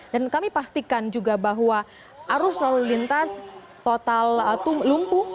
kami pastikan juga bahwa arus lalu lintas total lumpuh